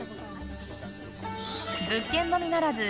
物件のみならず